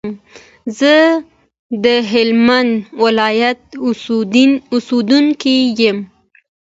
زه دهلمند ولایت اوسیدونکی یم.